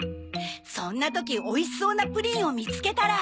そんな時おいしそうなプリンを見つけたら。